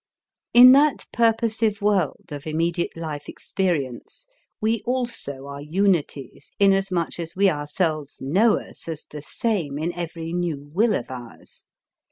In that purposive world of immediate life experience, we also are unities inasmuch as we ourselves know us as the same in every new will of ours.